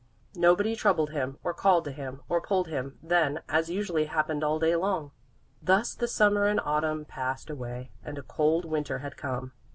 Nobody troubled him, or called to him, or pulled him then, as usually happened all day long. Thus the Summer and Autumn passed away, and a cold Winter had come.